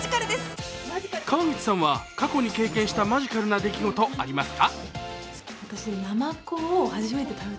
川口さんは過去に経験したマジカルな出来事ありますか。